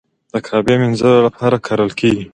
د کعبې مینځلو لپاره کارول کیږي.